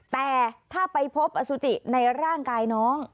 แต่ถ้าไปพบอสุจิในร่างกายน้อง